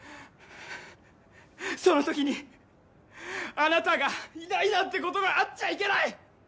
そのときに、あなたがいないなんてことがあっちゃいけない。